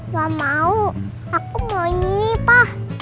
gak mau aku mau ini pak